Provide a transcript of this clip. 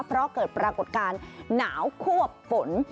เพราะเกิดปรากฏการณ์หนาวควบฝน